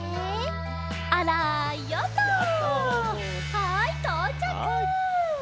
はいとうちゃく！